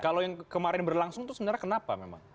kalau yang kemarin berlangsung itu sebenarnya kenapa memang